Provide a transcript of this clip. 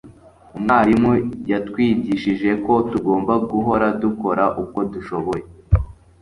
Umwarimu yatwigishije ko tugomba guhora dukora uko dushoboye